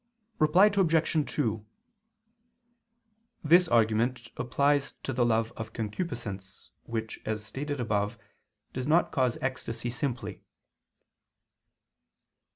Reply Obj. 2: This argument applies to love of concupiscence, which, as stated above, does not cause ecstasy simply.